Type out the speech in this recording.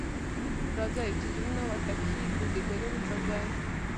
راځئ چې زړونه ورته کښیږدو د ګلونو پر ځای